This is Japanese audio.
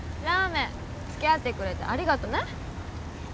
ラーメン付き合ってくれてありがとね。